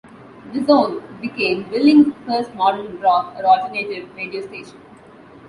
"The Zone" became Billings' first modern rock or alternative radio station.